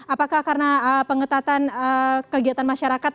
apakah karena pengetatan kegiatan masyarakat